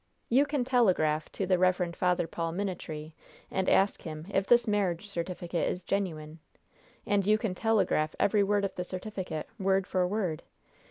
You can telegraph to the Rev. Father Paul Minitree, and ask him if this marriage certificate is genuine, and you can telegraph every word of the certificate, word for word.